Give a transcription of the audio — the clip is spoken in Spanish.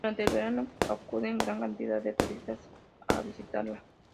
Durante el verano acuden gran cantidad de turistas a visitarla.